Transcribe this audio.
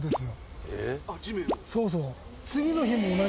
そうそう。